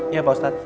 iya pak ustadz